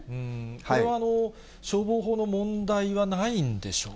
これは消防法の問題はないんでしょうか。